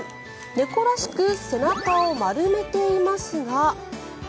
猫らしく背中を丸めていますが。